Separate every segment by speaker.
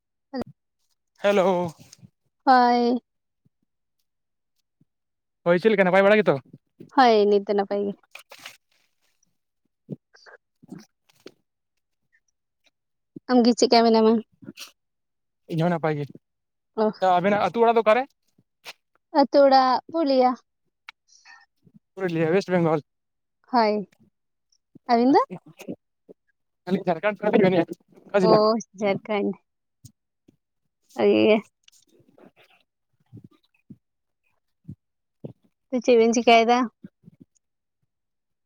Speaker 1: [inaudible]
Speaker 2: Hello,
Speaker 1: ᱦᱚᱭ
Speaker 2: ᱦᱳᱭ ᱪᱮᱫ ᱞᱮᱠᱟ ᱱᱟᱯᱟᱭ ᱵᱟᱲᱟ ᱜᱮᱛᱚ?
Speaker 1: ᱦᱳᱭ ᱱᱤᱛ ᱫᱚ ᱱᱟᱯᱟᱭ ᱜᱮ᱾
Speaker 2: [inaudible]
Speaker 1: ᱟᱢ ᱜᱮ ᱪᱮᱫᱠᱟ ᱢᱮᱱᱟᱢᱟ?
Speaker 2: ᱤᱧ ᱦᱚᱸ ᱱᱟᱯᱟᱭ ᱜᱮ᱾
Speaker 1: ᱚ
Speaker 2: ᱛᱚ ᱟᱵᱮᱱᱟᱜ ᱟᱹᱛᱩ ᱚᱲᱟᱜ ᱫᱚ ᱚᱠᱟᱨᱮ?
Speaker 1: ᱟᱛᱳ ᱚᱲᱟᱜ ᱯᱩᱨᱩᱞᱤᱭᱟ᱾
Speaker 2: ᱯᱩᱨᱩᱞᱤᱭᱟ ᱳᱭᱮᱥᱴ ᱵᱮᱝᱜᱚᱞ᱾ [inaudible]
Speaker 1: ᱦᱳᱭ ᱟᱹᱵᱤᱱ ᱫᱚ
Speaker 2: ᱟᱞᱤᱧ ᱡᱟᱨᱠᱷᱚᱸᱱᱰ ᱠᱷᱟᱱᱟᱜ ᱞᱤᱧ ᱢᱮᱱᱮ-ᱟ᱾
Speaker 1: ᱳ ᱡᱷᱟᱨᱠᱷᱚᱸᱰ, ᱵᱷᱟ ᱜᱮ᱾
Speaker 2: [inaudible]
Speaker 1: ᱛᱚ ᱪᱮᱫ ᱵᱤᱱ ᱪᱮᱠᱟᱭ ᱮᱫᱟ?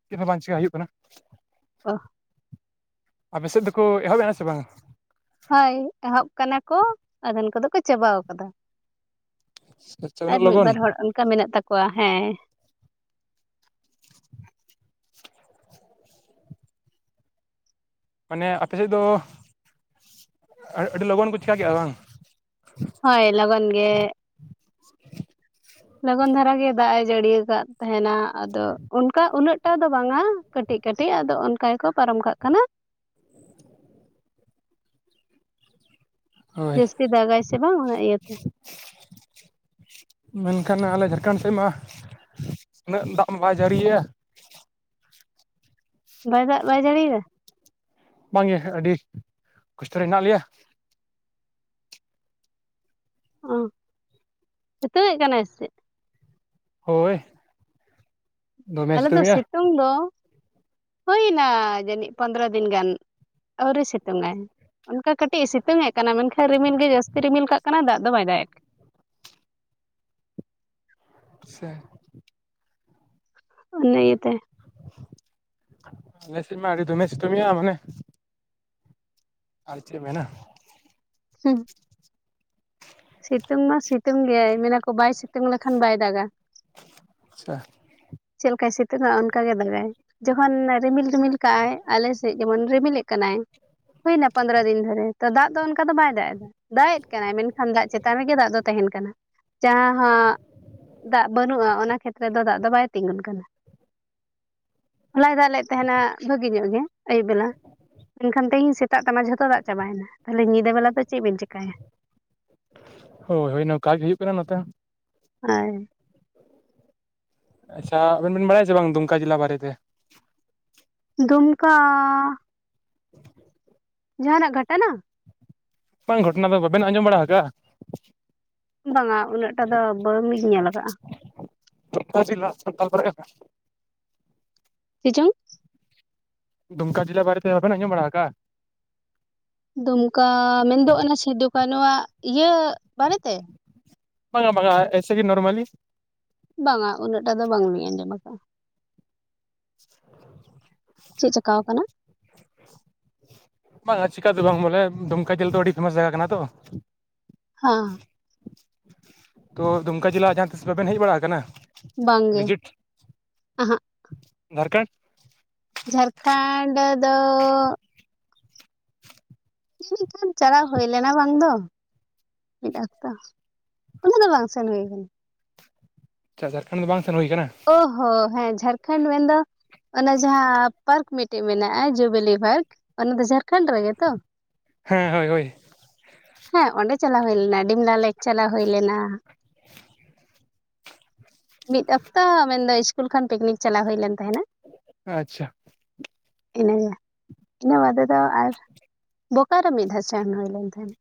Speaker 2: ᱪᱮᱫ ᱦᱚᱸ ᱵᱟᱝ ᱪᱮᱠᱟ ᱦᱩᱭᱩᱜ ᱠᱟᱱᱟ᱾
Speaker 1: ᱚ
Speaker 2: ᱟᱯᱮ ᱥᱮᱫ ᱫᱚᱠᱚ ᱮᱦᱚᱵ ᱮᱭᱟ ᱥᱮ ᱵᱟᱝ?
Speaker 1: ᱦᱳᱭ ᱮᱦᱚᱵ ᱠᱟᱱᱟ ᱠᱚ ᱟᱫᱷᱮᱱ ᱠᱚᱫᱚ ᱠᱚ ᱪᱟᱵᱟᱣ ᱟᱠᱟᱫᱟ᱾
Speaker 2: ᱟᱪᱪᱷᱟ
Speaker 1: ᱟᱨ
Speaker 2: ᱩᱱᱟᱹᱜ
Speaker 1: ᱢᱤᱫ
Speaker 2: ᱞᱚᱜᱚᱱ
Speaker 1: ᱵᱟᱨ ᱦᱚᱲᱟᱜ ᱚᱱᱠᱟ ᱢᱮᱱᱟᱜ ᱛᱟᱠᱚᱣᱟ ᱦᱮᱸ,
Speaker 2: ᱢᱟᱱᱮ ᱟᱯᱮ ᱥᱮᱫ ᱫᱚ ᱟ ᱟᱹᱰᱤ ᱞᱚᱜᱚᱱ ᱠᱚ ᱪᱤᱠᱟᱹ ᱠᱮᱜ-ᱟ ᱵᱟᱝ?
Speaker 1: ᱦᱳᱭ ᱞᱚᱜᱚᱱ ᱜᱮ᱾ ᱞᱚᱜᱚᱱ ᱫᱷᱟᱨᱟ ᱜᱮ ᱫᱟᱜ ᱮ ᱡᱟᱹᱲᱤᱭ ᱟᱠᱟᱫ᱾ ᱛᱟᱦᱮᱸᱱᱟ ᱟᱫᱚ ᱚᱱᱠᱟ ᱩᱱᱟᱹᱜ ᱴᱟ ᱫᱚ ᱵᱟᱝ-ᱟ ᱠᱟᱹᱴᱤᱡ ᱠᱟᱹᱴᱤᱡ ᱟᱫᱚ ᱚᱱᱠᱟ ᱜᱮᱠᱚ ᱯᱟᱨᱚᱢ ᱠᱟᱜ ᱠᱟᱱᱟ᱾
Speaker 2: ᱦᱳᱭ
Speaker 1: ᱡᱟᱹᱥᱛᱤ ᱫᱟᱜ-ᱟᱭ ᱥᱮ ᱵᱟᱝ ᱚᱱᱟ ᱤᱭᱟᱹᱛᱮ᱾
Speaker 2: [inaudible] ᱢᱮᱱᱠᱷᱟᱱ ᱟᱞᱮ ᱡᱷᱟᱲᱠᱷᱚᱸᱱᱰ ᱥᱮᱫ ᱢᱟ ᱩᱱᱟᱹᱜ ᱫᱟᱜ ᱢᱟ ᱵᱟᱭ ᱡᱟᱹᱲᱤᱭᱮᱜ-ᱟ᱾
Speaker 1: ᱵᱟᱭ ᱫᱟᱜ ᱵᱟᱭ ᱡᱟᱹᱲᱤᱭ ᱫᱟ?
Speaker 2: ᱵᱟᱝᱜᱮ ᱟᱹᱰᱤ ᱠᱚᱥᱴᱚ ᱨᱮ ᱦᱮᱱᱟᱜ ᱞᱮᱭᱟ᱾
Speaker 1: ᱚ, ᱥᱮᱛᱩᱝ ᱮᱫ ᱠᱟᱱᱟᱭ ᱥᱮᱫ?
Speaker 2: ᱦᱳᱭ᱾ ᱫᱚᱢᱮ
Speaker 1: ᱟᱞᱮ ᱫᱚ
Speaker 2: ᱥᱤᱛᱩᱝᱮᱜᱼᱟ
Speaker 1: ᱥᱤᱛᱩᱝ ᱫᱚ, ᱦᱳᱭᱱᱟ ᱡᱟᱹᱱᱤᱡ ᱯᱚᱱᱫᱽᱨᱚ ᱫᱤᱱ ᱜᱟᱱ᱾ ᱟᱹᱣᱨᱤ ᱥᱤᱛᱩᱝ ᱟᱭ᱾ ᱚᱱᱠᱟ ᱠᱟᱹᱴᱤᱡ ᱮ ᱥᱤᱛᱩᱝᱮ ᱠᱟᱱᱟ, ᱢᱮᱱᱠᱷᱟᱡ ᱨᱤᱢᱤᱞ ᱜᱮ ᱡᱟᱹᱥᱛᱤ ᱨᱤᱢᱤᱞ ᱠᱟᱜ ᱠᱟᱱᱟ ᱫᱟᱜ ᱫᱚ ᱵᱟᱭ ᱫᱟᱜ ᱮᱫ᱾
Speaker 2: ᱟᱪᱪᱷᱟ᱾
Speaker 1: ᱩᱱᱤ ᱤᱭᱟᱹ ᱛᱮ᱾
Speaker 2: ᱟᱞᱮ ᱥᱮᱫ ᱢᱟ ᱟᱹᱰᱤ ᱫᱚᱢᱮᱭ ᱥᱤᱛᱩᱢᱮᱫ-ᱟ ᱢᱟᱱᱮ ᱟᱨ ᱪᱮᱫ ᱢᱮᱱᱟ?
Speaker 1: ᱦᱩᱸ᱾ ᱥᱤᱛᱩᱝ ᱢᱟ ᱥᱤᱛᱩᱝ ᱜᱮᱭᱟᱭ, ᱢᱮᱱ ᱟᱠᱚ ᱵᱟᱭ ᱥᱤᱛᱩᱝ ᱞᱮᱠᱷᱟᱱ ᱵᱟᱭ ᱫᱟᱜᱟ᱾
Speaker 2: ᱟᱪᱪᱷᱟ᱾
Speaker 1: ᱪᱮᱫ ᱞᱮᱠᱟᱭ ᱥᱤᱛᱩᱝᱟ ᱚᱱᱠᱟᱜᱮ ᱫᱟᱜᱟᱭ᱾ ᱡᱚᱠᱷᱚᱱ ᱨᱤᱢᱤᱞ ᱨᱤᱢᱤᱞ ᱠᱟᱜ-ᱟᱭ ᱟᱞᱮ ᱥᱮᱫ ᱡᱮᱢᱚᱱ ᱨᱤᱢᱤᱞᱮᱜ ᱠᱟᱱᱟᱭ᱾ ᱦᱩᱭᱱᱟ ᱯᱚᱱᱫᱽᱨᱟ ᱫᱤᱱ ᱫᱷᱚᱨᱮ᱾ ᱛᱚ ᱫᱟᱜ ᱫᱚ ᱚᱱᱠᱟ ᱫᱚ ᱵᱟᱭ ᱫᱟᱜ ᱮᱫᱟ, ᱫᱟᱜ ᱮᱫ ᱠᱟᱱᱟᱭ, ᱢᱮᱱᱠᱷᱟᱱ ᱫᱟᱜ ᱪᱮᱛᱟᱱ ᱨᱮᱜᱮ ᱫᱟᱜ ᱫᱚ ᱛᱟᱦᱮᱸᱱ ᱠᱟᱱᱟ᱾ ᱡᱟᱦᱟᱸ ᱦᱟᱸᱜ, ᱫᱟᱜ ᱵᱟᱹᱱᱩᱜ-ᱟ ᱚᱱᱟ ᱠᱷᱮᱛ ᱨᱮᱫᱚ ᱫᱟᱜ ᱫᱚ ᱵᱟᱭ ᱜᱩᱱ ᱠᱟᱱᱟ, ᱦᱚᱞᱟᱭ ᱫᱟᱜ ᱞᱮᱫ ᱛᱟᱦᱮᱸᱱᱟ ᱵᱷᱟᱹᱜᱤ ᱧᱚᱜ ᱜᱮ᱾ ᱟᱹᱭᱩᱵᱽ ᱵᱮᱞᱟ, ᱢᱮᱱᱠᱷᱟᱱ ᱛᱮᱦᱮᱸᱧ ᱥᱮᱛᱟᱜ ᱛᱮᱢᱟ ᱡᱷᱚᱛᱚ ᱫᱟᱜ ᱪᱟᱵᱟᱭᱱᱟ ᱛᱟᱦᱚᱸᱞᱮ ᱧᱤᱫᱟᱹ ᱵᱮᱞᱟ ᱫᱚ ᱪᱮᱫ ᱵᱮᱱ ᱪᱮᱠᱟᱭᱟ?
Speaker 2: ᱦᱳᱭ ᱦᱳᱭ ᱱᱚᱝᱠᱟ ᱜᱮ ᱦᱩᱭᱩᱜ ᱠᱟᱱᱟ ᱱᱚᱛᱮ ᱦᱚᱸ᱾
Speaker 1: ᱟᱭ
Speaker 2: ᱟᱪᱪᱷᱟ ᱟᱵᱤᱱ ᱵᱤᱱ ᱵᱟᱲᱟᱭᱟ ᱥᱮ ᱵᱟᱝ ᱫᱩᱢᱠᱟ ᱡᱮᱞᱟ ᱵᱟᱨᱮᱛᱮ?
Speaker 1: ᱫᱩᱢᱠᱟᱻ
Speaker 2: [inaudible]
Speaker 1: ᱡᱟᱦᱟᱸ ᱱᱟᱜ ᱜᱷᱚᱴᱱᱟ?
Speaker 2: ᱵᱟᱝ ᱜᱷᱚᱴᱱᱟ ᱫᱚ, ᱵᱟᱵᱮᱱ ᱟᱸᱡᱚᱢ ᱵᱟᱲᱟᱣ ᱟᱠᱟᱜ-ᱟ?
Speaker 1: ᱵᱟᱝᱟ, ᱩᱱᱟᱹᱜ ᱴᱟ ᱫᱚ ᱵᱟᱹᱣ ᱞᱤᱧ ᱧᱮᱞ ᱟᱠᱟᱜ-ᱟ᱾
Speaker 2: [unintelligible]
Speaker 1: ᱪᱮᱫ ᱪᱚᱝ?
Speaker 2: ᱫᱩᱢᱠᱟ ᱡᱮᱞᱟ ᱵᱟᱨᱮᱛᱮ ᱵᱟᱵᱮᱱ ᱟᱸᱡᱚᱢ ᱵᱟᱲᱟᱣ ᱟᱠᱟᱜ-ᱟ?
Speaker 1: ᱫᱩᱢᱠᱟᱻ ᱢᱮᱱᱫᱚ ᱚᱱᱟ ᱥᱤᱫᱩ ᱠᱟᱱᱩᱣᱟᱜ ᱤᱭᱟᱹᱜ ᱵᱟᱨᱮᱛᱮ?
Speaker 2: ᱵᱟᱝ-ᱟ ᱵᱟᱝ-ᱟ ᱮᱥᱮ ᱜᱤ ᱱᱚᱨᱢᱮᱞᱤ᱾
Speaker 1: ᱵᱟᱝ-ᱟ, ᱩᱱᱟᱹᱜ ᱴᱟ ᱫᱚ ᱵᱟᱝᱞᱤᱧ ᱟᱸᱡᱚᱢ ᱟᱠᱟᱜ-ᱟ᱾
Speaker 2: [inaudible]
Speaker 1: ᱪᱮᱫ ᱪᱮᱠᱟᱣ ᱠᱟᱱᱟ?
Speaker 2: ᱵᱟᱝ-ᱟ ᱪᱤᱠᱟ ᱫᱚ ᱵᱟᱝ ᱵᱚᱞᱮ, ᱫᱩᱢᱠᱟ ᱡᱤᱞ ᱫᱚ ᱟᱹᱰᱤ ᱯᱷᱮᱢᱟᱥ ᱡᱟᱭᱜᱟ ᱠᱟᱱᱟ ᱛᱚ᱾
Speaker 1: ᱦᱟᱸ᱾
Speaker 2: ᱛᱳ ᱫᱩᱢᱠᱟ ᱡᱮᱞᱟ ᱡᱟᱦᱟᱸ ᱛᱤᱥ ᱵᱟᱵᱮᱱ ᱦᱮᱡᱽ ᱵᱟᱲᱟᱣ ᱠᱟᱱᱟ,
Speaker 1: ᱵᱟᱝᱜᱮ
Speaker 2: ᱵᱷᱤᱡᱤᱴ?
Speaker 1: ᱟᱦᱟᱸᱜ
Speaker 2: ᱡᱷᱟᱲᱠᱷᱚᱸᱱᱰ᱾
Speaker 1: ᱡᱷᱟᱲᱠᱷᱟᱱᱰ ᱫᱚᱻ ᱡᱟᱹᱱᱤᱡ ᱠᱷᱟᱱ ᱪᱟᱞᱟᱣ ᱦᱳᱭ ᱞᱮᱱᱟ ᱵᱟᱝ ᱫᱚ᱾ ᱢᱤᱫ ᱚᱠᱛᱚ, ᱩᱱᱟᱹᱜ ᱫᱚ ᱵᱟᱝ ᱥᱮᱱ ᱦᱩᱭ ᱠᱟᱱᱟ᱾
Speaker 2: ᱟᱪᱪᱷᱟ ᱡᱷᱟᱨᱠᱷᱚᱸᱰ ᱫᱚ ᱵᱟᱝ ᱥᱮᱱ ᱦᱩᱭ ᱠᱟᱱᱟ᱾
Speaker 1: ᱚ ᱦᱚᱸ ᱦᱮᱸ ᱡᱷᱟᱲᱠᱷᱚᱱᱰ ᱢᱮᱱᱫᱚ ᱚᱱᱟ ᱡᱟᱦᱟᱸ ᱯᱟᱨᱠ ᱢᱤᱫᱴᱮᱡ ᱢᱮᱱᱟᱜᱼᱟ, ᱡᱩᱵᱮᱞᱤ ᱯᱟᱨᱠ ᱚᱱᱟ ᱫᱚ ᱡᱷᱟᱲᱠᱷᱚᱸᱰ ᱨᱮᱜᱮ ᱛᱚ᱾
Speaker 2: ᱦᱮᱸ, ᱦᱳᱭ ᱦᱳᱭ
Speaker 1: ᱦᱮᱸ ᱚᱸᱰᱮ ᱪᱟᱞᱟᱣ ᱦᱳᱭ ᱞᱮᱱᱟ, ᱰᱤᱢᱞᱟ ᱞᱮ ᱪᱟᱞᱟᱣ ᱦᱳᱭ ᱞᱮᱱᱟ᱾ ᱢᱤᱫ ᱚᱠᱛᱚ ᱢᱮᱱᱫᱚ ᱤᱥᱠᱩᱞ ᱠᱷᱚᱱ, ᱯᱤᱠᱱᱤᱠ ᱪᱟᱞᱟᱣ ᱦᱳᱭ ᱞᱮᱱ ᱛᱟᱦᱮᱱᱟ᱾
Speaker 2: ᱟᱪᱪᱷᱟ,
Speaker 1: ᱤᱱᱟᱹᱜᱮ᱾ ᱤᱱᱟᱹ ᱵᱟᱫᱮ ᱫᱚ ᱟᱨ, ᱵᱳᱠᱟᱨᱳ ᱢᱤᱫ ᱫᱷᱟᱣ ᱥᱮᱱ ᱦᱳᱭ ᱞᱮᱱ ᱛᱟᱦᱮᱸᱱᱟ᱾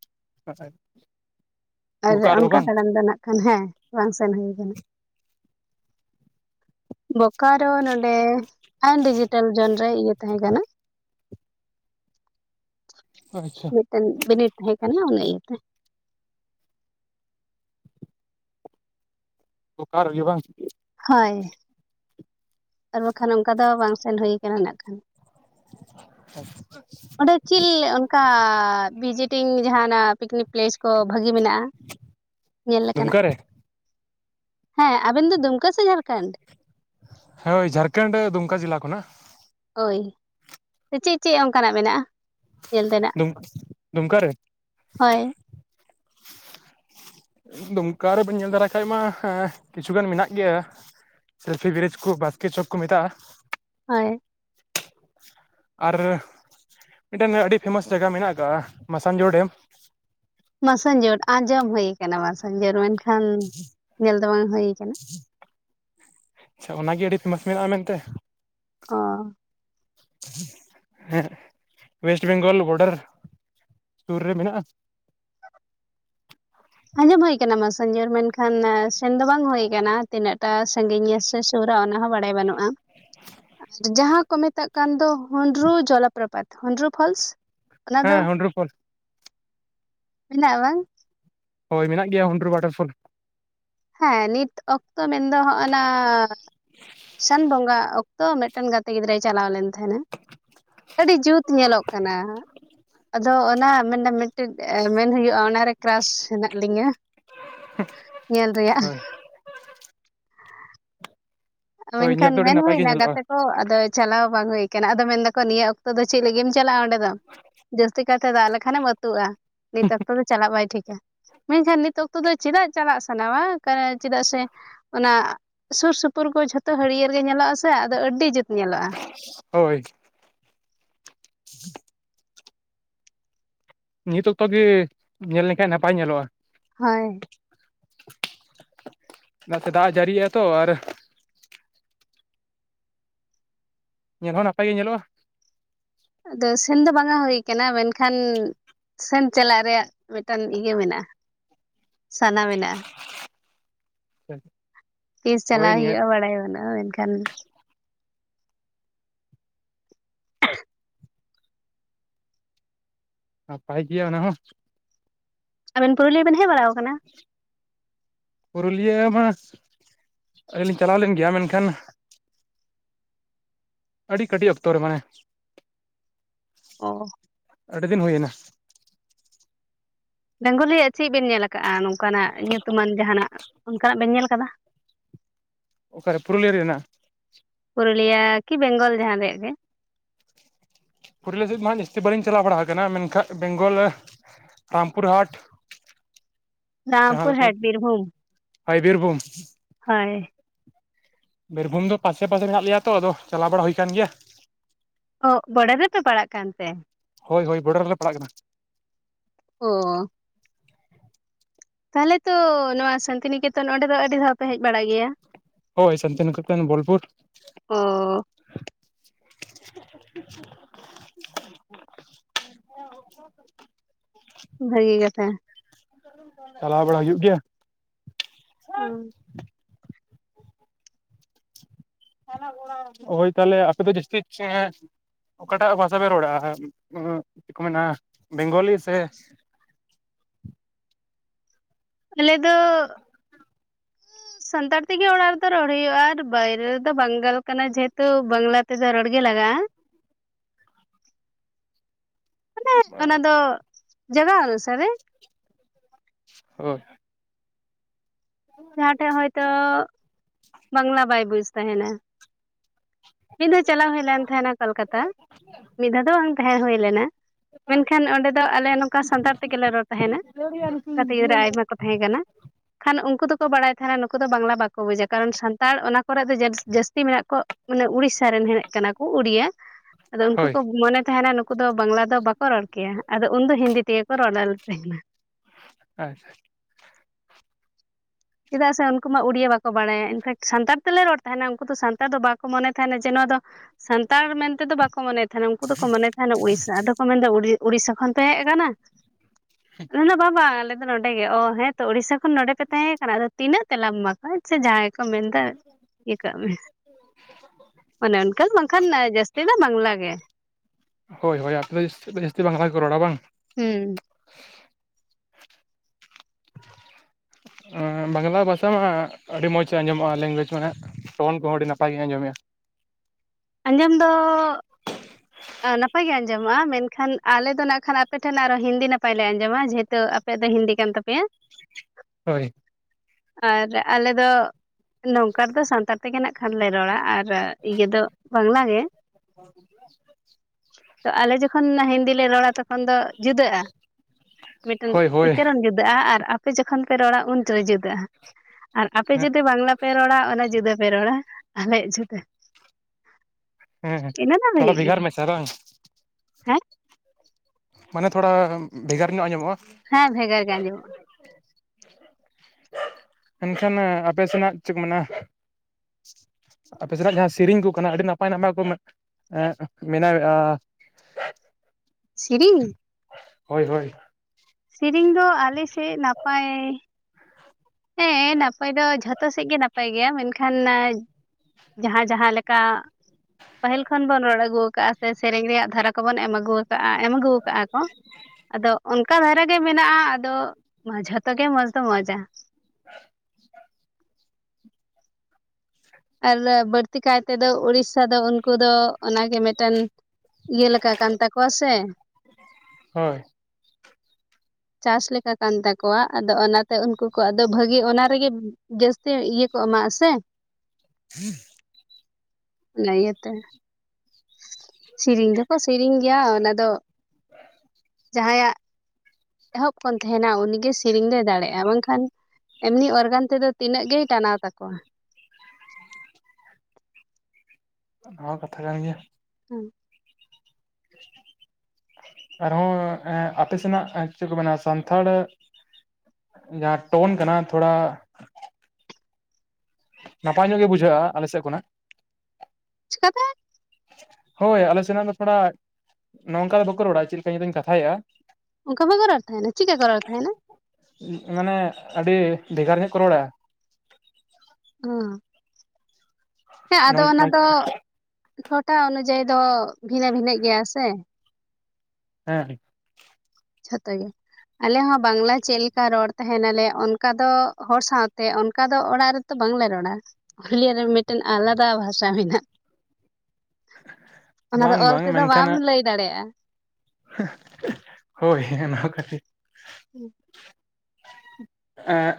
Speaker 1: ᱟᱨ
Speaker 2: ᱵᱳᱠᱟᱨᱳ
Speaker 1: ᱚᱱᱠᱟ
Speaker 2: ᱵᱟᱝ
Speaker 1: ᱛᱟᱲᱟᱢ ᱫᱚ ᱱᱟᱜ ᱠᱷᱟᱱ ᱦᱮᱸ, ᱵᱟᱝ ᱥᱮᱱ ᱦᱳᱭ ᱠᱟᱱᱟ᱾ ᱵᱳᱠᱟᱨᱳ ᱱᱚᱰᱮ, ᱟᱭᱚᱱ ᱰᱤᱡᱤᱴᱮᱞ ᱡᱳᱱ ᱨᱮ ᱤᱭᱟᱹ ᱛᱟᱦᱮᱸ ᱠᱟᱱᱟ᱾
Speaker 2: ᱚ ᱟᱪᱪᱷᱟ᱾
Speaker 1: ᱢᱤᱫᱴᱮᱱ ᱵᱤᱱᱤᱰ ᱛᱟᱦᱮᱸ ᱠᱟᱱᱟ, ᱚᱱᱟ ᱤᱭᱟᱹᱛᱮ᱾
Speaker 2: ᱵᱳᱠᱟᱨᱳ ᱜᱮ ᱵᱟᱝ?
Speaker 1: ᱦᱚᱭ᱾ ᱟᱨ ᱵᱟᱠᱷᱟᱱ ᱚᱱᱠᱟ ᱫᱚ, ᱵᱟᱝ ᱥᱮᱱ ᱦᱳᱭ ᱠᱟᱱᱟ ᱱᱟᱜ ᱠᱷᱟᱱ᱾
Speaker 2: [inaudible]
Speaker 1: ᱚᱸᱰᱮ ᱠᱷᱤᱞ ᱚᱱᱠᱟ ᱵᱷᱤᱡᱤᱴᱤᱝ ᱡᱟᱦᱟᱸᱱᱟᱜ, ᱯᱤᱠᱱᱤᱠ ᱯᱞᱮᱥ ᱠᱚ ᱵᱷᱟᱹᱜᱤ ᱢᱮᱱᱟᱜᱼᱟ᱾ ᱧᱮᱞ ᱞᱮᱠᱟᱱᱟᱜ,
Speaker 2: ᱫᱩᱢᱠᱟ ᱨᱮ
Speaker 1: ᱦᱮᱸ ᱟᱵᱮᱱ ᱫᱚ ᱫᱩᱢᱠᱟᱹ ᱥᱮ ᱡᱷᱟᱲᱠᱷᱚᱸᱰ?
Speaker 2: ᱦᱳᱭ ᱡᱷᱟᱲᱠᱷᱚᱸᱰ ᱫᱩᱢᱠᱟ ᱡᱮᱞᱟ ᱠᱷᱚᱱᱟᱜ᱾
Speaker 1: ᱦᱳᱭ, ᱪᱮᱫ ᱪᱮᱫ ᱚᱱᱠᱟᱱᱟᱜ ᱢᱮᱱᱟᱜᱼᱟ᱾ ᱧᱮᱞ ᱛᱮᱱᱟᱜ
Speaker 2: ᱫᱩᱢ ᱫᱩᱢᱠᱟ ᱨᱮ?
Speaker 1: ᱦᱳᱭ,
Speaker 2: ᱫᱩᱢᱠᱟ ᱨᱮᱵᱮᱱ ᱧᱮᱞ ᱫᱟᱨᱟᱭ ᱠᱷᱟᱡ, ᱢᱟ ᱠᱤᱪᱷᱩ ᱜᱟᱱ ᱢᱮᱱᱟᱜ ᱜᱮᱭᱟ᱾ ᱥᱮᱞᱯᱷᱤ ᱵᱨᱮᱤᱡ ᱠᱚ ᱵᱟᱥᱠᱮᱴ ᱪᱚᱠ ᱠᱚ ᱢᱮᱛᱟᱜᱼᱟ᱾
Speaker 1: ᱦᱚᱭ,
Speaker 2: [inaudible] ᱟᱨ ᱢᱤᱫᱴᱮᱱ ᱟᱹᱰᱤ ᱯᱷᱮᱢᱟᱥ ᱡᱟᱭᱜᱟ ᱢᱮᱱᱟᱜ ᱠᱟᱟᱜᱼᱟ, ᱢᱟᱥᱟᱱᱡᱳᱲ ᱰᱮᱢ᱾
Speaker 1: ᱢᱟᱥᱟᱝᱡᱳᱴ ᱟᱸᱡᱚᱢ ᱦᱳᱭ ᱠᱟᱱᱟ, ᱢᱟᱥᱟᱝᱡᱳᱴ ᱢᱮᱱᱠᱷᱟᱱ ᱧᱮᱞ ᱫᱚ ᱵᱟᱝ ᱦᱳᱭ ᱠᱟᱱᱟ᱾
Speaker 2: ᱟᱪᱪᱷᱟ ᱚᱱᱟᱜᱮ ᱟᱹᱰᱤ ᱯᱷᱮᱢᱟᱥ ᱢᱮᱱᱟᱜᱼᱟ ᱢᱮᱱᱛᱮ᱾
Speaker 1: ᱚ, ᱾
Speaker 2: ᱦᱮᱸ ᱚᱭᱮᱥᱴ ᱵᱮᱝᱜᱚᱞ ᱵᱳᱰᱟᱨ, ᱥᱩᱨ ᱨᱮ ᱢᱮᱱᱟᱜᱼᱟ᱾
Speaker 1: ᱟᱸᱡᱚᱢ ᱦᱳᱭ ᱠᱟᱱᱟ ᱢᱟᱥᱟᱡᱚᱨ ᱢᱮᱱᱠᱷᱟᱱ ᱥᱮᱱ ᱫᱚ, ᱵᱟᱝ ᱦᱳᱩ ᱠᱟᱱᱟ, ᱛᱤᱱᱟᱹᱜ ᱴᱟ ᱥᱟᱹᱜᱤᱧ ᱥᱮ ᱥᱩᱨᱟ ᱚᱱᱟ ᱦᱚᱸ ᱵᱟᱲᱟᱭ ᱵᱟᱹᱱᱩᱜᱼᱟ᱾
Speaker 2: [inaudible]
Speaker 1: ᱟᱨ ᱡᱟᱦᱟᱸ ᱠᱚ ᱢᱮᱛᱟᱜ ᱠᱟᱱ ᱫᱚ, ᱦᱩᱸᱰᱨᱩ ᱡᱚᱞᱚᱯᱨᱯᱟᱛ ᱦᱩᱰᱨᱩ ᱯᱷᱚᱞᱥ ᱚᱱᱟ ᱫᱚ
Speaker 2: ᱦᱮᱸ ᱦᱩᱰᱨᱩ ᱯᱷᱚᱞ᱾
Speaker 1: ᱢᱮᱱᱟᱜᱼᱟ ᱵᱟ
Speaker 2: ᱦᱳᱭ ᱢᱮᱱᱟᱜ ᱜᱮᱭᱟ, ᱦᱩᱰᱩᱨ ᱚᱣᱟᱴᱟᱨ ᱯᱷᱚᱞ᱾
Speaker 1: ᱦᱮᱸ ᱱᱤᱛ ᱚᱠᱛᱚ ᱢᱮᱱᱫᱚ ᱦᱚᱜᱼ ᱱᱟ? ᱥᱟᱱ ᱵᱚᱸᱜᱟ ᱚᱠᱛᱚ ᱢᱤᱫᱴᱮᱱ ᱜᱟᱛᱮ, ᱜᱤᱫᱽᱨᱟᱹᱭ ᱪᱟᱞᱟᱣ ᱞᱮᱱ ᱛᱟᱦᱮᱸᱱᱟ᱾ ᱟᱹᱰᱤ ᱡᱩᱛ ᱧᱮᱞᱚᱜ ᱠᱟᱱᱟ᱾ ᱟᱫᱚ ᱚᱱᱟ ᱢᱮᱱᱱᱟ ᱢᱤᱫᱴᱮᱱ ᱢᱮᱱ ᱦᱩᱭᱩᱜᱼᱟ ᱚᱱᱟᱨᱮ ᱠᱨᱟᱥ ᱦᱮᱱᱟᱜ ᱞᱤᱧᱟᱹ᱾
Speaker 2: ᱦᱮᱸ
Speaker 1: ᱧᱮᱞ ᱨᱭᱟᱜ᱾ ᱟᱨ
Speaker 2: ᱦᱳᱭ ᱧᱮᱞ
Speaker 1: ᱢᱮᱱᱠᱷᱟᱱ
Speaker 2: ᱫᱚ ᱟᱹᱰᱤ
Speaker 1: ᱢᱮᱱ
Speaker 2: ᱱᱟᱯᱟᱭ ᱜᱮ
Speaker 1: ᱦᱩᱭᱱᱟ
Speaker 2: ᱧᱮᱞᱚᱜᱼᱟ
Speaker 1: ᱜᱟᱛᱮ ᱛᱚ ᱟᱫᱚ ᱪᱟᱞᱟᱣ ᱵᱟᱝ ᱦᱩᱭ ᱟᱠᱟᱱᱟ ᱟᱫᱚ ᱢᱮᱱ ᱫᱟᱠᱚ ᱱᱤᱭᱟᱹ ᱚᱠᱛᱚ ᱫᱚ ᱪᱮᱫ ᱞᱟᱹᱜᱤᱫᱢ ᱪᱟᱞᱟᱜᱼᱟ ᱚᱸᱰᱮ [unintelligible] ᱡᱟᱹᱥᱛᱤ ᱠᱟᱭᱛᱮ ᱫᱟᱜ ᱞᱮᱠᱷᱟᱱᱮᱢ ᱟᱹᱛᱩᱜᱼᱟ ᱱᱤᱛ ᱚᱠᱛᱚ ᱫᱚ ᱪᱟᱞᱟᱜ ᱵᱟᱭ ᱴᱷᱤᱠᱟ ᱢᱮᱱᱠᱷᱟᱱ ᱱᱤᱛ ᱚᱠᱛᱚ ᱫᱚ ᱪᱮᱫᱟᱜ ᱪᱟᱞᱟᱜ ᱥᱟᱱᱟᱣᱟ ᱠᱟᱨᱚᱱ ᱪᱮᱫᱟᱜ ᱥᱮ ᱚᱱᱟ ᱥᱩᱨ ᱥᱩᱯᱩᱨ ᱠᱚ ᱡᱷᱚᱛᱚ ᱦᱟᱹᱨᱭᱟᱹᱲ ᱜᱮ ᱧᱮᱞᱚᱜ ᱟᱥᱮ ᱟᱫᱚ ᱟᱹᱰᱤ ᱡᱩᱛ ᱧᱮᱞᱚᱜᱼᱟ᱾
Speaker 2: ᱦᱳᱭ᱾ [inaudible] ᱱᱤᱛ ᱚᱠᱛᱚ ᱜᱮ ᱧᱮᱞ ᱞᱮᱱᱠᱷᱟᱡ ᱱᱟᱯᱟᱭ ᱧᱮᱞᱚᱜᱼᱟ᱾
Speaker 1: ᱦᱚᱭ᱾
Speaker 2: ᱱᱟᱥᱮ ᱫᱟᱜ ᱡᱟᱹᱲᱤᱭᱜᱼᱟ ᱛᱚ ᱟᱨ ᱧᱮᱞ ᱦᱚᱸ ᱱᱟᱯᱟᱭ ᱜᱮ ᱧᱮᱞᱚᱜᱼᱟ᱾
Speaker 1: ᱟᱫᱚ ᱥᱮᱱ ᱫᱚ ᱵᱟᱝᱟ ᱦᱩᱭ ᱠᱟᱱᱟ ᱢᱮᱱᱠᱷᱟᱱ ᱥᱮᱱ ᱪᱟᱞᱟᱜ ᱨᱮᱭᱟᱜ ᱢᱤᱫᱴᱟᱝ ᱤᱭᱟᱹ ᱢᱮᱱᱟᱜᱼᱟ ᱥᱟᱱᱟ ᱢᱮᱱᱟᱜᱼᱟ᱾
Speaker 2: ᱪᱮᱫ
Speaker 1: ᱛᱤᱥ ᱪᱟᱞᱟᱣ ᱦᱩᱭᱩᱜᱼᱟ ᱵᱟᱲᱟᱭ ᱵᱟᱱᱩᱜᱼᱟ ᱢᱮᱱᱠᱷᱟᱱ
Speaker 2: ᱱᱟᱯᱟᱭ ᱜᱤᱭᱟ ᱚᱱᱟ ᱦᱚᱸ᱾
Speaker 1: ᱟᱵᱤᱱ ᱯᱩᱨᱩᱞᱤᱭᱟᱹ ᱵᱮᱱ ᱦᱮᱸᱡ ᱵᱟᱲᱟᱣ ᱟᱠᱟᱱᱟ?
Speaker 2: ᱯᱩᱨᱩᱞᱤᱭᱟᱹ ᱵᱟᱝᱟ ᱟᱹᱞᱤᱧ ᱞᱤᱧ ᱪᱟᱞᱟᱣ ᱞᱮᱱ ᱜᱮᱭᱟ ᱢᱮᱱᱠᱷᱟᱱ ᱟᱹᱰᱤ ᱠᱟᱹᱴᱤᱡ ᱚᱠᱛᱚ ᱨᱮ ᱢᱟᱱᱮ
Speaker 1: ᱚ
Speaker 2: ᱟᱹᱰᱤ ᱫᱤᱱ ᱦᱩᱭᱮᱱᱟ᱾
Speaker 1: ᱰᱝᱜᱩᱞᱤᱭᱟᱜ ᱪᱮᱫ ᱵᱤᱱ ᱧᱮᱞ ᱟᱠᱟᱜᱼᱟ ᱱᱚᱝᱠᱟᱱᱟᱜ ᱧᱩᱛᱩᱢᱟᱱ ᱡᱟᱦᱟᱱᱟᱜ ᱚᱱᱠᱟᱱᱟᱜ ᱵᱮᱱ ᱧᱮᱞ ᱟᱠᱟᱫᱟ?
Speaker 2: ᱚᱠᱟᱨᱮ ᱯᱩᱨᱩᱞᱤᱭᱟᱹ ᱨᱮᱱᱟᱜ?
Speaker 1: ᱯᱩᱨᱩᱞᱤᱭᱟ ᱠᱤ ᱵᱮᱝᱜᱚᱞ ᱡᱟᱦᱟᱸ ᱨᱮᱭᱟᱜ ᱜᱮ᱾
Speaker 2: ᱯᱩᱨᱩᱞᱤᱭᱟ ᱥᱮᱫ ᱢᱟᱰᱟᱝ ᱡᱟᱹᱥᱛᱤ ᱵᱟᱹᱞᱤᱧ ᱪᱟᱞᱟᱣ ᱵᱟᱲᱟ ᱟᱠᱟᱱᱟ ᱢᱮᱱᱠᱷᱟᱱ ᱵᱮᱝᱜᱚᱞ ᱨᱮ ᱨᱟᱢᱯᱩᱨ ᱦᱟᱴ
Speaker 1: ᱨᱟᱢᱯᱩᱨ
Speaker 2: ᱡᱟᱦᱟᱞᱠᱚᱡ
Speaker 1: ᱦᱟᱴ ᱵᱤᱨᱵᱷᱩᱢ
Speaker 2: ᱦᱚᱭ ᱵᱤᱨᱵᱷᱩᱢ
Speaker 1: ᱦᱳᱭ᱾
Speaker 2: ᱵᱤᱨᱵᱷᱩᱢ ᱫᱚ ᱯᱟᱥᱮ ᱯᱟᱥᱮ ᱨᱮ ᱦᱮᱱᱟᱜ ᱞᱮᱭᱟ ᱛᱚ ᱟᱫᱚ ᱪᱟᱞᱟᱣ ᱵᱟᱲᱟ ᱦᱩᱭ ᱟᱠᱟᱱ ᱜᱮᱭᱟ᱾
Speaker 1: ᱚᱜ ᱵᱚᱰᱟᱨ ᱨᱮᱯᱮ ᱯᱟᱲᱟᱜ ᱠᱟᱱ ᱛᱮ?
Speaker 2: ᱦᱳᱭ ᱦᱳᱭ ᱵᱚᱰᱟᱨ ᱨᱮᱞᱮ ᱯᱟᱲᱟᱜ ᱠᱟᱱᱟ᱾
Speaker 1: ᱚᱻ ᱛᱟᱦᱚᱞᱮ ᱛᱚ ᱱᱚᱣᱟ ᱥᱟᱱᱛᱤᱱᱤᱠᱮᱛᱚᱱ ᱚᱸᱰᱮ ᱫᱚ ᱟᱹᱰᱤ ᱫᱷᱟᱣ ᱯᱮ ᱦᱮᱡ ᱵᱟᱲᱟᱜ ᱜᱮᱭᱟ᱾
Speaker 2: ᱦᱳᱭ ᱥᱟᱱᱛᱤᱱᱤᱠᱮᱛᱚᱱ ᱵᱳᱞᱯᱩᱨ [unintelligible]
Speaker 1: ᱚ
Speaker 2: [unintelligible]
Speaker 1: ᱵᱷᱟᱹᱜᱤ ᱠᱟᱛᱷᱟ᱾
Speaker 2: ᱪᱟᱞᱟᱣ ᱵᱟᱲᱟ ᱦᱩᱭᱩᱜ ᱜᱮᱭᱟ᱾
Speaker 1: ᱦᱚᱸ
Speaker 2: [unintelligible] ᱦᱳᱭ ᱛᱟᱦᱚᱞᱮ ᱟᱯᱮ ᱫᱚ ᱡᱟᱹᱥᱛᱤ ᱪᱮᱸᱜ ᱚᱠᱟᱴᱟᱜ ᱵᱷᱟᱥᱟ ᱯᱮ ᱨᱚᱲᱟ ᱮᱺ ᱪᱮᱫ ᱠᱚ ᱢᱮᱱᱟ ᱵᱮᱝᱜᱚᱞᱤ ᱥᱮ?
Speaker 1: ᱟᱞᱮ ᱫᱚ ᱥᱟᱱᱛᱟᱲ ᱛᱮᱜᱮ ᱚᱲᱟᱜ ᱨᱮᱫᱚ ᱨᱚᱲ ᱦᱩᱭᱩᱜᱼᱟ ᱟᱨ ᱵᱟᱭᱨᱮ ᱨᱮᱫᱚ ᱵᱟᱝᱜᱟᱞ ᱠᱟᱱᱟ ᱡᱮᱦᱮᱛᱩ ᱵᱟᱝᱞᱟ ᱛᱮᱫᱚ ᱨᱚᱲ ᱜᱮ ᱞᱟᱜᱟᱜᱼᱟ᱾ ᱦᱮᱸ ᱚᱱᱟ ᱫᱚ ᱡᱟᱜᱟ ᱚᱱᱩᱥᱟᱨᱮ᱾
Speaker 2: ᱦᱳᱭ᱾
Speaker 1: ᱡᱟᱦᱟᱸ ᱴᱷᱮᱡ ᱦᱚᱭᱛᱳ ᱵᱟᱝᱞᱟ ᱵᱟᱭ ᱵᱩᱡᱽ ᱛᱟᱦᱮᱱᱟ᱾ ᱢᱤᱫ ᱫᱷᱟᱣ ᱪᱟᱞᱟᱣ ᱦᱩᱭ ᱞᱮᱱ ᱛᱟᱦᱮᱱᱟ ᱠᱳᱞᱠᱟᱛᱟ ᱢᱤᱫ ᱫᱷᱟᱣ ᱫᱚ ᱵᱟᱝ ᱛᱟᱦᱮᱸ ᱦᱩᱭ ᱞᱮᱱᱟ᱾ ᱢᱮᱱᱠᱷᱟᱱ ᱚᱸᱰᱮ ᱫᱚ ᱟᱞᱮ ᱱᱚᱝᱠᱟ ᱥᱟᱱᱛᱟᱲ ᱛᱮᱜᱮᱞᱮ ᱨᱚᱲ ᱛᱟᱦᱮᱱᱟ ᱜᱟᱛᱮ ᱜᱤᱫᱽᱨᱟᱹ ᱟᱭᱢᱟ ᱠᱚ᱾ ᱛᱟᱦᱮᱸ ᱠᱟᱱᱟ ᱠᱷᱟᱱ ᱩᱱᱠᱩ ᱫᱚ᱾ ᱠᱚ ᱵᱟᱲᱟᱭ ᱛᱟᱦᱮᱱᱟ ᱱᱩᱠᱩ ᱫᱚ ᱵᱟᱝᱞᱟ ᱵᱟᱠᱚ ᱵᱩᱡᱟ ᱠᱟᱨᱚᱱ ᱥᱟᱱᱛᱟᱲ ᱚᱱᱟ ᱠᱚᱨᱮ ᱫᱚ ᱡᱟᱹᱥᱛᱤ ᱢᱮᱱᱟᱜ ᱠᱚ᱾ ᱢᱟᱱᱮ ᱩᱲᱤᱥᱥᱟᱮᱱ ᱦᱮᱡ ᱠᱟᱱᱟ ᱠᱚ ᱩᱲᱤᱭᱟ ᱟᱫᱚ ᱩᱱᱠᱩ
Speaker 2: ᱦᱳᱭ
Speaker 1: ᱠᱚ ᱢᱚᱱᱮ ᱛᱟᱦᱮᱱᱟ᱾ ᱩᱱᱠᱩ ᱫᱚ ᱵᱟᱝᱞᱟ ᱫᱚ ᱵᱟᱠᱚ ᱨᱚᱲ ᱠᱮᱭᱟ ᱟᱫᱚ ᱩᱱᱫᱚ ᱦᱤᱱᱫᱤ ᱛᱮᱜᱮ ᱠᱚ ᱨᱚᱲᱞᱮ ᱛᱟᱦᱮᱱᱟ᱾
Speaker 2: ᱟᱪᱪᱷᱟ
Speaker 1: ᱪᱮᱫᱟᱜ ᱥᱮ ᱩᱱᱠᱩ ᱢᱟ ᱩᱲᱤᱭᱟᱹ ᱵᱟᱠᱚ ᱵᱟᱲᱟᱭᱟ ᱮᱱᱠᱷᱟᱱ ᱥᱟᱱᱛᱟᱲ ᱛᱮᱞᱮ ᱨᱚᱲ ᱛᱟᱦᱮᱱᱟ ᱩᱱᱠᱩ ᱫᱚ ᱥᱟᱱᱛᱟᱲ ᱫᱚ ᱵᱟᱠᱚ ᱢᱚᱱᱮ ᱛᱟᱦᱮᱱᱟ ᱡᱮ ᱱᱚᱣᱟ ᱫᱚ ᱥᱟᱱᱛᱟᱲ ᱢᱮᱱᱛᱮ ᱫᱚ ᱵᱟᱠᱚ ᱢᱚᱱᱮᱫ ᱛᱟᱦᱚᱞᱮ ᱩᱱᱠᱩ ᱫᱚᱠᱚ ᱢᱚᱱᱮᱭ ᱛᱟᱦᱮᱱᱟ ᱩᱲᱤᱥᱥᱟ ᱟᱫᱚ ᱠᱚ ᱢᱮᱱᱫᱟ ᱩᱲᱤᱥᱥᱟ ᱠᱷᱚᱱ ᱯᱮ ᱦᱮᱡ ᱟᱠᱟᱱᱟ? ᱵᱟᱵᱟ ᱟᱞᱮ ᱫᱚ ᱱᱚᱰᱮ ᱜᱮ ᱚ ᱦᱮᱸᱛᱚ ᱩᱲᱤᱥᱥᱟ ᱠᱷᱚᱱ ᱱᱚᱰᱮ ᱯᱮ ᱛᱟᱦᱮᱸ ᱮᱠᱷᱟᱱ ᱟᱫᱚ ᱛᱤᱱᱟᱹᱜ ᱛᱮᱞᱟᱢ ᱮᱢᱟ ᱠᱚᱣᱟ ᱥᱮ ᱡᱟᱦᱟᱸᱭ ᱠᱚ ᱢᱮᱱ ᱮᱫᱟ ᱤᱭᱟᱹ ᱠᱟᱜ ᱢᱮ ᱚᱱᱮ ᱚᱱᱠᱟ ᱫᱚ ᱵᱟᱝᱠᱷᱟᱱ ᱡᱟᱹᱥᱛᱤ ᱫᱚ ᱵᱟᱝᱞᱟ ᱜᱮ ᱾
Speaker 2: ᱦᱳᱭ ᱦᱳᱭ ᱟᱠᱳ ᱫᱚ ᱥᱟᱥ ᱡᱟᱹᱥᱛᱤ ᱵᱟᱝᱞᱟ ᱜᱮᱠᱚ ᱨᱚᱲᱟ ᱵᱟᱝ?
Speaker 1: ᱦᱩᱸ
Speaker 2: ᱵᱟᱝᱞᱟ ᱵᱷᱟᱥᱟ ᱢᱟ ᱟᱹᱰᱤ ᱢᱚᱡᱽ ᱟᱸᱡᱚᱢᱚᱜᱼᱟ ᱞᱮᱝᱜᱩᱭᱮᱡᱽ ᱢᱟᱱᱮ᱾ ᱴᱚᱱ ᱠᱚᱦᱚᱸ ᱟᱹᱰᱤ ᱱᱟᱯᱟᱭ ᱜᱮᱧ ᱟᱸᱡᱚᱢᱮᱫ᱾
Speaker 1: ᱟᱸᱡᱚᱢ ᱫᱚ
Speaker 2: [unintelligible]
Speaker 1: ᱱᱟᱯᱟᱭ ᱜᱮ ᱟᱸᱡᱚᱢᱚᱜᱼᱟ ᱢᱮᱱᱠᱷᱟᱱ ᱟᱞᱮ ᱫᱚ ᱱᱟᱜᱠᱷᱟᱱ ᱟᱯᱮ ᱴᱷᱮᱱ ᱟᱨᱚ ᱦᱤᱱᱫᱤ ᱱᱟᱯᱟᱭ ᱞᱮ ᱟᱸᱡᱚᱢᱟ ᱡᱮᱦᱮ ᱛᱩ ᱟᱯᱮᱭᱟᱜ ᱫᱚ ᱦᱤᱱᱫᱤ ᱠᱟᱱ ᱛᱟᱯᱮᱭᱟ ᱾
Speaker 2: ᱦᱳᱭ
Speaker 1: ᱟᱨ ᱟᱞᱮ ᱫᱚ ᱱᱚᱝᱠᱟ ᱫᱚ ᱥᱟᱱᱛᱟᱲ ᱛᱮᱜᱮ ᱱᱟᱜ ᱠᱷᱟᱱ ᱞᱮ ᱨᱚᱲᱟ ᱟᱨ ᱟᱨ ᱤᱭᱟᱹ ᱫᱚ ᱵᱟᱝᱞᱟ ᱜᱮ ᱾ ᱛᱚ ᱟᱞᱮ ᱡᱚᱠᱷᱚᱱ ᱦᱤᱱᱫᱤ ᱞᱮ ᱨᱚᱲᱟ ᱛᱚᱠᱷᱚᱱ ᱫᱚ ᱡᱩᱫᱟᱹᱜᱼᱟ ᱢᱤᱫᱴᱮᱱ
Speaker 2: ᱦᱳᱭ ᱦᱳᱭ
Speaker 1: ᱩᱪᱪᱟᱨᱚᱱ ᱡᱩᱫᱟᱹ ᱟᱨ ᱟᱯᱮ ᱡᱚᱠᱷᱚᱱ ᱯᱮ ᱨᱚᱲᱟ ᱩᱱ ᱨᱮ ᱡᱩᱫᱟᱹᱜᱼᱟ ᱟᱨ ᱟᱯᱮ
Speaker 2: ᱦᱮᱸ
Speaker 1: ᱡᱩᱫᱤ ᱵᱟᱝᱞᱟ. ᱯᱮ ᱨᱚᱲᱟ ᱚᱱᱟ ᱡᱩᱫᱟᱹ ᱯᱮ ᱨᱚᱲᱟ ᱟᱞᱮᱭᱟᱜ ᱡᱩᱫᱟᱹ ᱾
Speaker 2: ᱦᱮᱸ
Speaker 1: ᱫᱚ
Speaker 2: ᱛᱷᱚᱲᱟ
Speaker 1: ᱦᱩᱭᱩᱜ ᱜᱮᱭᱟ
Speaker 2: ᱵᱷᱮᱜᱟᱨ ᱢᱮᱥᱮ ᱵᱟᱝ?
Speaker 1: ᱦᱮᱸ
Speaker 2: ᱢᱟᱱᱮ ᱛᱷᱚᱲᱟ ᱵᱷᱮᱜᱟᱨ ᱧᱚᱜ ᱧᱟᱢᱚᱜᱼᱟ ᱾
Speaker 1: ᱦᱮᱸ ᱵᱷᱮᱜᱟᱨ ᱜᱮ ᱟᱸᱡᱚᱢᱚᱜ ᱾
Speaker 2: ᱮᱱᱠᱷᱟᱱ ᱟᱯᱮ ᱥᱮᱱᱟᱜ ᱪᱮᱫ ᱠᱚ ᱢᱮᱱᱟ ᱟᱯᱮ ᱥᱮᱱᱟᱜ ᱡᱟᱦᱟᱸ ᱥᱮᱨᱮᱧ ᱠᱚ ᱠᱟᱱᱟ ᱟᱹᱰᱤ ᱱᱟᱯᱟᱭ ᱱᱟᱯᱟᱭ ᱠᱚ ᱮ ᱵᱮᱱᱟᱣᱮᱜ-ᱟ᱾
Speaker 1: ᱥᱤᱨᱤᱧ?
Speaker 2: ᱦᱳᱭ ᱦᱳᱭ ᱾
Speaker 1: ᱥᱮᱨᱮᱧ ᱫᱚ ᱟᱞᱮᱥᱮᱫ ᱱᱟᱯᱟᱭ ᱦᱮᱸ ᱱᱟᱯᱟᱭ ᱫᱚ ᱡᱷᱚᱛᱚ ᱥᱮᱫ ᱜᱮ ᱱᱟᱯᱟᱭ ᱜᱮᱭᱟ ᱢᱮᱱᱠᱷᱟᱱ ᱡᱟᱦᱟᱸ ᱡᱟᱦᱟᱸ ᱞᱮᱠᱟ ᱯᱟᱹᱦᱤᱞ ᱠᱷᱚᱱ ᱵᱚᱱ ᱨᱚᱲ ᱟᱹᱜᱩ ᱟᱠᱟᱜᱼᱟ ᱥᱮ ᱥᱮᱨᱮᱧ ᱨᱮᱭᱟᱜ ᱫᱷᱟᱨᱟ ᱠᱚᱵᱚᱱ ᱮᱢ ᱟᱹᱜᱩ ᱟᱠᱟᱜᱼᱟ ᱮᱢ ᱟᱹᱜᱩ ᱟᱠᱟᱜ ᱟᱠᱚ᱾ ᱟᱫᱚ ᱚᱱᱠᱟ ᱫᱷᱟᱨᱟ ᱜᱮ ᱢᱮᱱᱟᱜᱼᱟ ᱟᱫᱚ ᱡᱷᱚᱛᱚ ᱜᱮ ᱢᱚᱸᱡᱽ ᱫᱚ ᱢᱚᱸᱡᱽ ᱡᱟ ᱾ ᱟᱨ ᱵᱟᱹᱲᱛᱤ ᱠᱟᱭ ᱛᱮᱫᱚ ᱩᱲᱤᱥᱥᱟ ᱫᱚ ᱩᱱᱠᱩ ᱫᱚ ᱚᱱᱟᱜᱮ ᱢᱤᱫᱴᱮᱱ ᱤᱭᱟᱹ ᱞᱮᱠᱟ ᱠᱟᱱ ᱛᱟᱠᱚᱣᱟ ᱥᱮ᱾
Speaker 2: ᱦᱳᱭ ᱾
Speaker 1: ᱪᱟᱥ ᱞᱮᱠᱟ ᱠᱟᱱ ᱛᱟᱠᱚᱣᱟ ᱟᱫᱚ ᱚᱱᱟᱛᱮ ᱩᱱᱠᱩ ᱠᱚᱣᱟᱜ ᱫᱚ ᱵᱷᱟᱹᱜᱤ ᱚᱱᱟ ᱨᱮᱜᱮ ᱵᱮᱥ᱾ ᱛᱮ ᱤᱭᱟᱹ ᱠᱚ ᱮᱢᱟᱜ ᱟᱥᱮ
Speaker 2: [inaudible]
Speaker 1: ᱚᱱᱟ ᱤᱭᱟᱹ ᱛᱮ᱾ [inaudible] ᱥᱮᱨᱤᱧ ᱫᱚᱠᱚ ᱥᱮᱨᱤᱧ ᱜᱮᱭᱟ ᱚᱱᱟ ᱫᱚ ᱡᱟᱦᱟᱸᱭᱟᱜ [inaudible] ᱮᱦᱚᱵ ᱠᱷᱚᱱ ᱛᱟᱦᱮᱱᱟ ᱩᱱᱤᱜᱮ ᱥᱮᱨᱮᱧ ᱫᱚᱭ ᱫᱟᱲᱮᱭᱟᱜ-ᱟ ᱵᱟᱝᱠᱷᱟᱱ ᱮᱢᱱᱤ ᱚᱨᱜᱟᱱ ᱛᱮᱫᱚ ᱛᱤᱱᱟᱹᱜ ᱜᱮᱭ ᱴᱟᱱᱟᱣ ᱛᱟᱠᱚᱣᱟ᱾
Speaker 2: ᱚᱱᱟ ᱦᱚ ᱠᱟᱛᱷᱟ ᱠᱟᱱ ᱜᱮᱭᱟ᱾
Speaker 1: ᱦᱩᱸ ᱾
Speaker 2: [inaudible] ᱟᱨᱦᱚᱸ ᱮ ᱟᱯᱮ ᱥᱮᱱᱟᱜ ᱪᱮᱫ ᱠᱚ ᱢᱮᱱᱟ ᱥᱟᱱᱛᱷᱟᱲ ᱡᱟᱦᱟᱸ ᱴᱳᱱ ᱠᱟᱱᱟ ᱛᱷᱚᱲᱟ ᱱᱟᱯᱟᱭ ᱧᱚᱜ ᱜᱮ ᱵᱩᱡᱷᱟᱹᱜ-ᱟ ᱟᱞᱮ ᱥᱮᱫ ᱠᱷᱚᱱᱟᱜ ᱾
Speaker 1: [unintelligible]
Speaker 2: ᱦᱳᱭ ᱟᱞᱮ ᱥᱮᱱᱟᱜ ᱫᱚ ᱛᱷᱚᱲᱟ [inaudible] ᱱᱚᱝᱠᱟ ᱫᱚ ᱵᱟᱠᱚ ᱨᱚᱲᱟ ᱪᱮᱫ ᱞᱮᱠᱟ ᱤᱧ ᱫᱚᱧ ᱠᱟᱛᱷᱟᱭᱮᱜ-ᱟ ᱾
Speaker 1: ᱚᱱᱠᱟ ᱵᱟᱠᱚ ᱨᱚᱲ ᱛᱟᱦᱮᱱᱟ ᱪᱤᱫᱠᱟ ᱠᱚ ᱨᱚᱲ ᱛᱟᱦᱮᱱᱟ?
Speaker 2: ᱢᱟᱱᱮ ᱟᱹᱰᱤ ᱵᱷᱮᱜᱟᱨ ᱧᱚᱜ ᱠᱚ ᱨᱚᱲᱟ᱾
Speaker 1: ᱳᱸ ᱾ ᱦᱮᱸ ᱟᱫᱚ ᱚᱱᱟ ᱫᱚ [inaudible] ᱴᱚᱴᱷᱟ ᱚᱱᱩᱡᱟᱭᱤ ᱫᱚ ᱵᱷᱤᱱᱟᱹ ᱵᱷᱤᱱᱟᱹᱜ ᱜᱮᱭᱟ ᱥᱮ ᱾
Speaker 2: ᱦᱮᱸ ᱾
Speaker 1: ᱡᱷᱚᱛᱚ ᱜᱮ᱾ ᱟᱞᱮ ᱦᱚᱸ ᱵᱟᱝᱞᱟ ᱪᱮᱫ ᱞᱮᱠᱟ ᱨᱚᱲ ᱛᱟᱦᱮᱱ ᱟᱞᱮ ᱚᱱᱠᱟ ᱫᱚ ᱦᱚᱲ ᱥᱟᱶᱛᱮ ᱚᱱᱠᱟ ᱫᱚ ᱚᱲᱟᱜ ᱨᱮ ᱫᱚ ᱵᱟᱝᱞᱮ ᱨᱚᱲᱟ ᱾ [inaudible] ᱯᱩᱨᱩᱞᱤᱭᱟᱹ ᱨᱮ ᱢᱤᱫᱴᱮᱱ ᱟᱞᱟᱫᱟ ᱵᱷᱟᱥᱟ ᱢᱮᱱᱟᱜ
Speaker 2: [inaudible]
Speaker 1: [inaudible] ᱚᱱᱟ ᱫᱚ
Speaker 2: ᱵᱟᱝ
Speaker 1: ᱚᱞ
Speaker 2: ᱵᱟᱝ
Speaker 1: ᱛᱮᱫᱚ
Speaker 2: ᱢᱮᱱᱠᱷᱟᱱ
Speaker 1: ᱵᱟᱢ ᱞᱟᱹᱭ ᱫᱟᱲᱮᱭᱟᱜ-ᱟ᱾
Speaker 2: [inaudible] ᱦᱳᱭ ᱚᱱᱟ [unintelligible]
Speaker 1: ᱦᱩᱸ ᱾
Speaker 2: [inaudible] ᱮᱸ